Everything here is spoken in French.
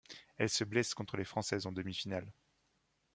Elle se blesse contre les Françaises en demi-finale.